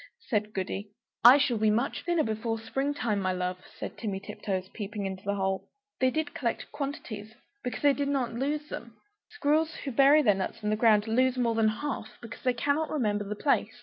said Goody. "I shall be much thinner before spring time, my love," said Timmy Tiptoes, peeping into the hole. They did collect quantities because they did not lose them! Squirrels who bury their nuts in the ground lose more than half, because they cannot remember the place.